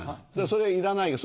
それいらないよ。